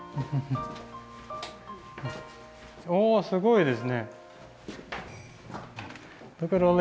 おおすごいですね。